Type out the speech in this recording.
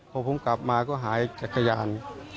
พอผมกลับมาก็หายจักรยาน